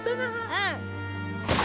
うん！